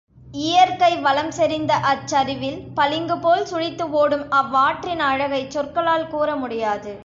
இயற்கைவளம் செறிந்த அச்சரிவில், பளிங்கு போல் சுழித்து ஓடும் அவ்வாற்றின் அழகைச் சொற்களால் கூறமுடியாது.